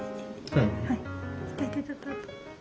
はい。